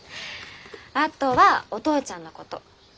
あとはお父ちゃんのこと。